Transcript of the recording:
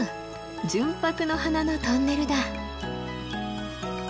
純白の花のトンネルだ！